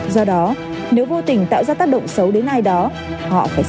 do đó nếu vô tình tạo ra tác động xấu đến ai đó họ phải xin lỗi